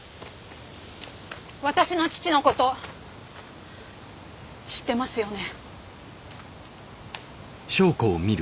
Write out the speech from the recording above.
私の父のこと知ってますよね？